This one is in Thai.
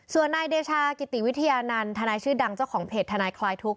ส่วนนายเดชากิติวิทยานันทนายชื่อดังเจ้าของเพจทนายคลายทุกข